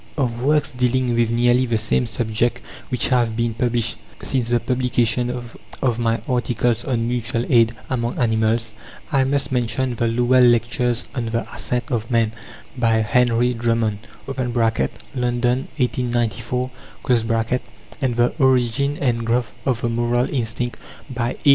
Of works dealing with nearly the same subject, which have been published since the publication of my articles on Mutual Aid among Animals, I must mention The Lowell Lectures on the Ascent of Man, by Henry Drummond (London, 1894), and The Origin and Growth of the Moral Instinct, by A.